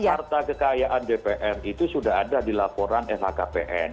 harta kekayaan dpr itu sudah ada di laporan lhkpn